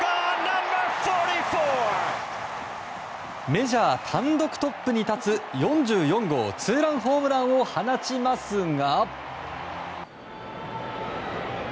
メジャー単独トップに立つ４４号ツーランホームランを放ちますが。